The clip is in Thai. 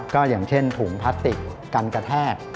ก็อย่างเช่นถุงพลาสติกกันกระแทก